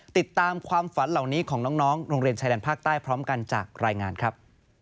ติดตามความฝันเหล่านี้ของน้องโรงเรียนชายแดนภาคใต้พร้อมกันจากรายงานครับ